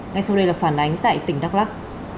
ngay sau đây là phản ánh tại tỉnh đắk lắc